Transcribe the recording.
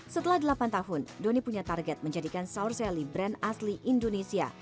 setelah delapan tahun doni punya target menjadikan saur sally brand asli indonesia